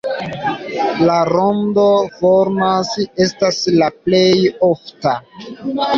La ronda formo estas la plej ofta.